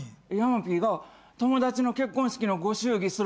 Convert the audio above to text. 山Ｐが「友達の結婚式のご祝儀